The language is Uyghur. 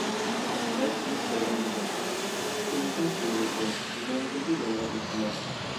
مەن سېنى سېغىنمىدىم، ئىككىمىزنىڭ سۆيگۈسى مەڭگۈگە يالغان ئېھتىمال.